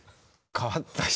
変わった人。